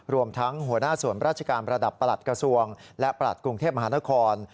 รวมทั้งหัวหน้าส่วนราชการระดับประหลัดกระทรวงและประหลัดกรุงเทพมหานคร